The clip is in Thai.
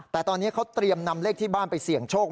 แต่ตอนนี้เขาเตรียมนำเลขที่บ้านไปเสี่ยงโชค